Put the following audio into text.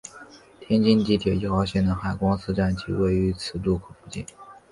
天津地铁一号线的海光寺站即位于此路口附近。